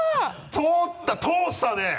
通った通したね。